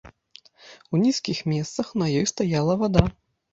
У нізкіх месцах на ёй стаяла вада.